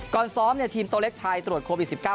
ซ้อมทีมโตเล็กไทยตรวจโควิด๑๙